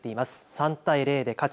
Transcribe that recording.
３対０で勝ち